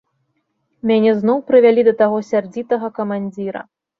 Мяне зноў прывялі да таго сярдзітага камандзіра.